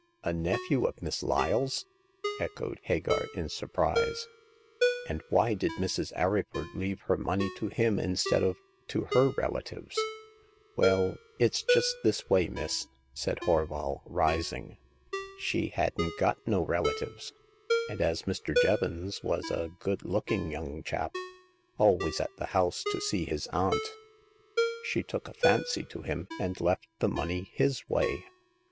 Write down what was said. A nephew of Miss Lyle's !" echoed Hagar, in surprise. And why did Mrs. Arryford leave her money to him instead of to her relatives ?" Well, it's just this way, miss," said Horval, rising. She hadn't got no relatives ; and as Mr. Jevons was a good looking young chap, always at the house to see his aunt, she took a fancy to him and left the money his way."